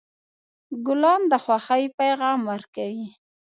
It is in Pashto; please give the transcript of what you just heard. ګلان د خوښۍ پیغام ورکوي.